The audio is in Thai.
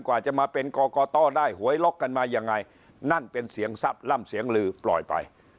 กว่าจะมาเป็นกรกตได้หวยล็อกกันมายังไงนั่นเป็นเสียงทรัพย์ล่ำเสียงลือปล่อยไป